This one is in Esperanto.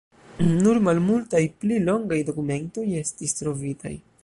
Nur malmultaj pli longaj dokumentoj estis trovitaj.